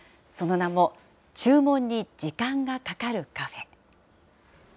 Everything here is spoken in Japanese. その名も、注文に時間がかかるカフェ。